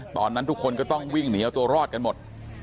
ตอนนั้นทุกคนก็ต้องวิ่งหนีเอาตัวรอดกันหมด